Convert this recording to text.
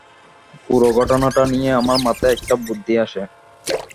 পুরো ঘটনাটা নিয়ে আমার মাথায় একটা বুদ্ধি আসে।